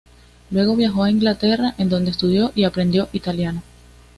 Luego viajó a Inglaterra, en donde estudió y aprendió italiano.